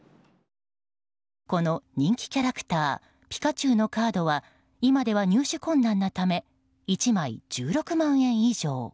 この人気キャラクターピカチュウのカードは今では入手困難なため１枚１６万円以上。